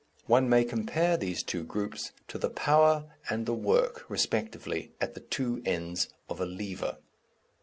One may compare these two groups to the Power and the Work, respectively, at the two ends of a lever.